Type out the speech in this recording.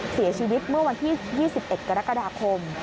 เสียชีวิตเมื่อวันที่๒๑กรกฎาคม